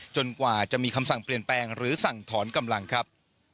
กว่าจะมีคำสั่งเปลี่ยนแปลงหรือสั่งถอนกำลังครับ